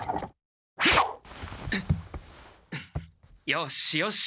よしよし！